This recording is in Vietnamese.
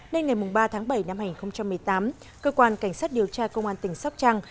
nên ngày ba tháng bảy năm hai nghìn một mươi tám cơ quan cảnh sát điều tra công an tỉnh sóc trăng